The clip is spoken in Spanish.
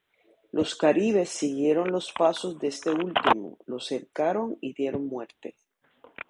Los caribes siguieron los pasos de este último, lo cercaron y dieron muerte.